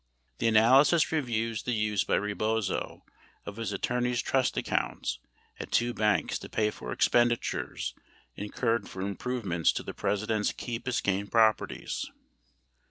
The analysis reviews the use by Rebozo of his attorney's trust accounts at two banks to pay for expenditures in curred for improvements to the President's Key Eiscayne properties.